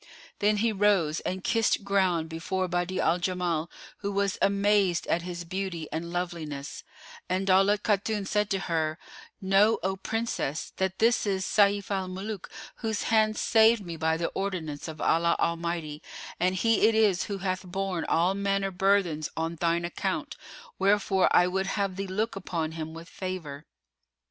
Then he rose and kissed ground before Badi'a al Jamal who was amazed at his beauty and loveliness; and Daulat Khatun said to her, "Know, O Princess, that this is Sayf al Muluk, whose hand saved me by the ordinance of Allah Almighty and he it is who hath borne all manner burthens on thine account: wherefore I would have thee look upon him with favour."